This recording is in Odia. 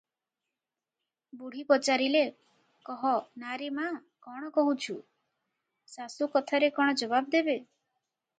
ବୁଢ଼ୀ ପଚାରିଲେ, "କହ ନା ରେ ମା, କଣ କହୁଛୁ?" ଶାଶୁ କଥାରେ କଣ ଜବାବ ଦେବେ?